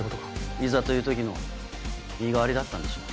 いざという時の身代わりだったんでしょう。